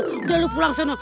udah lo pulang ke sana